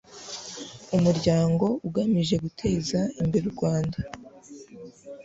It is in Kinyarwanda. umuryango ugamije guteza imbere u rwanda